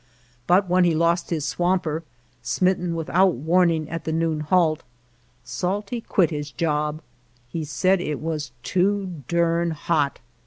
But when he lost his swamper, smitten without warn ing at the noon halt, Salty quit his job ; he said it was " too durn hot."